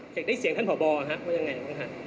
อยากได้เสียงท่านผอบอฮะว่ายังไงบ้างฮะ